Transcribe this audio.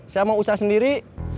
saya mau usaha sendiri